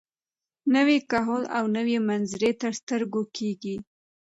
نوی کهول او نوې منظرې تر سترګو کېږي.